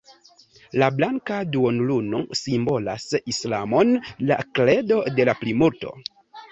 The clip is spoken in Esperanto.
La blanka duonluno simbolas islamon, la kredo de la plimulto.